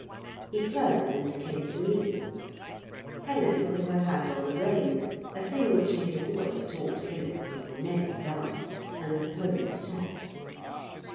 He turned and came to meet them. Helen put her hand on the reins a thing which she had always taught Philip was never done and the pony stopped.